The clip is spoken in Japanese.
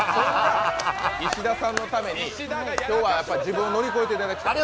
石田さんのために、今日は自分を乗り越えていただきたい。